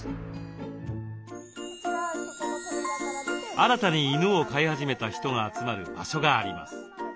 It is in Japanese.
新たに犬を飼い始めた人が集まる場所があります。